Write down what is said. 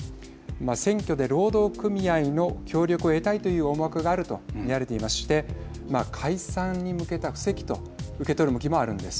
選挙で労働組合の協力を得たいという思惑があると見られていまして解散に向けた布石と受け取る向きもあるんです。